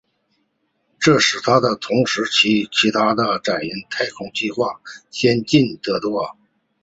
这使它比同时期其它的载人太空计划先进得多。